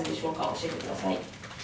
教えてください。